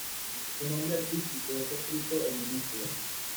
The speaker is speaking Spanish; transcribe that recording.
Su nombre artístico es escrito en minúsculas.